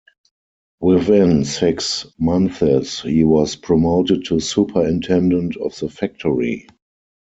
Within six months, he was promoted to superintendent of the factory.